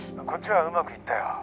「こっちはうまくいったよ」